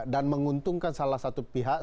dan menguntungkan salah satu pihak